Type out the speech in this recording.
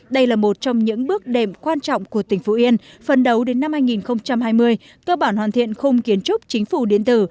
đây là một trong những bước đệm quan trọng của tỉnh phú yên phần đầu đến năm hai nghìn hai mươi cơ bản hoàn thiện khung kiến trúc chính phủ điện tử